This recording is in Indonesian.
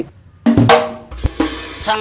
kalau kang komar sendiri